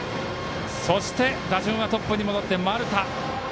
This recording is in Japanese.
そして、打順はトップに戻って丸田。